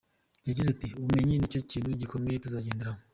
Yagize ati : "Ubumenyi ni cyo kintu gikomeye tuzagenderaho”.